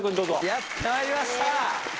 やってまいりました。